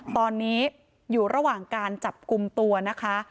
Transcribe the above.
ตอนนี้อยู่ระหว่างการจับกลุ่มตัวนะคะ